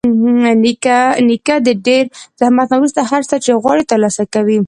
نیکه د ډېر زحمت نه وروسته هر څه چې غواړي ترلاسه کوي.